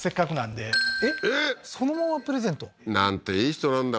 そのままプレゼント？なんていい人なんだ